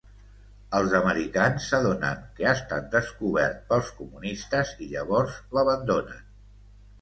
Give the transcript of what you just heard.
Els americans s'adonen que ha estat descobert pels comunistes i llavors l'abandonen.